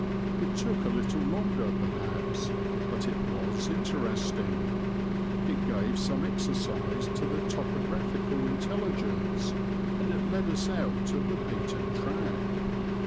It took a little longer perhaps, but it was interesting; it gave some exercise to the topographical intelligence, and it led us out of the beaten track.